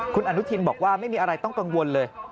คุณอนุทินบอกว่าไม่มีอะไรต้องกังวลเลย